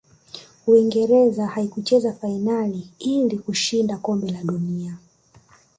uingereza haikucheza fainali ili kushinda kombe la dunia